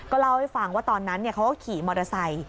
เล่าให้ฟังว่าตอนนั้นเขาก็ขี่มอเตอร์ไซค์